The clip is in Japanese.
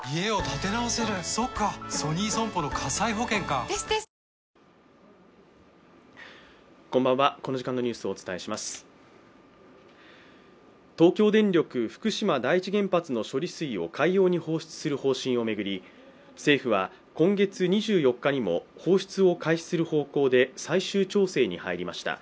ＢＥＴＨＥＣＨＡＮＧＥ三井不動産東京電力福島第一原発の処理水を海洋に放出する方針を巡り政府は今月２４日にも放出を開始する方向で最終調整に入りました。